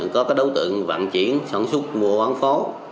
có các đối tượng vận chuyển sản xuất mua bán pháo